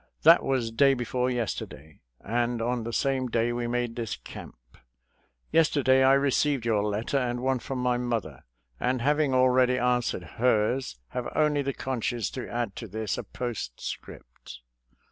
That was day before yesterday, and on the same day we made this camp. Yesterday I received your letter and one from my mother, and having already answered hers, have only the conscience to add to this a postscript.